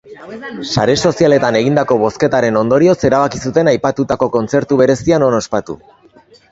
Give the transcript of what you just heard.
Sare sozialetan egindako bozketaren ondorioz erabaki zuten aipatutako kontzertu berezia non ospatu.